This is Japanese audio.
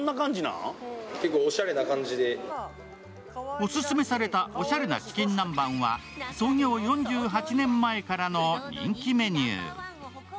オススメされたおしゃれなチキン南蛮は、創業４８年前からの人気メニュー。